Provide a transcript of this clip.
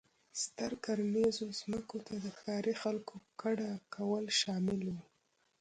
ستر کرنیزو ځمکو ته د ښاري خلکو کډه کول شامل و.